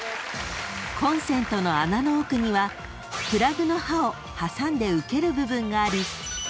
［コンセントの穴の奥にはプラグの刃を挟んで受ける部分があり